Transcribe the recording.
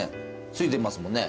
ついてますもんね。